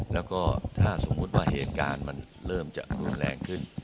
แล้วก็ถ้าสมมุติว่าเหตุการณ์มันเริ่มจะรุนแรงขึ้น